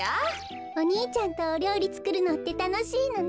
お兄ちゃんとおりょうりつくるのってたのしいのね。